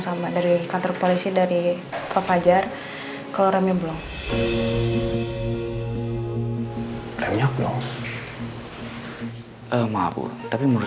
sama dari kantor polisi dari ke fajar kalau remnya belum remnya belum maupun tapi menurut